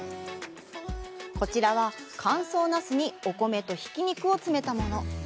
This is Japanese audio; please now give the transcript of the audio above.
こちらは、乾燥ナスにお米とひき肉を詰めたもの。